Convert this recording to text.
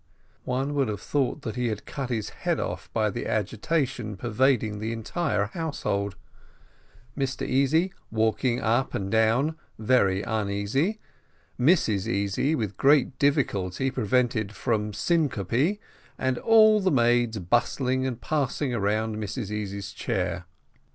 One would have thought that he had cut his head off by the agitation pervading the whole household Mr Easy walking up and down very uneasy, Mrs Easy with great difficulty prevented from syncope, and all the maids bustling and passing round Mrs Easy's chair.